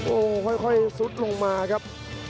โอ้โหค่อยซุดลงมาครับ